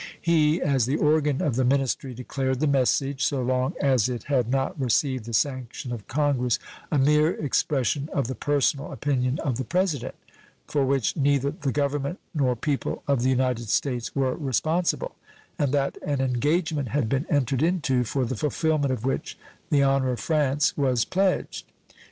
He as the organ of the ministry declared the message, so long as it had not received the sanction of Congress, a mere expression of the personal opinion of the President, for which neither the Government nor people of the United States were responsible, and that an engagement had been entered into for the fulfillment of which the honor of France was pledged.